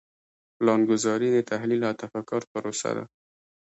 پلانګذاري د تحلیل او تفکر پروسه ده.